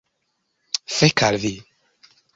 Fek al vi!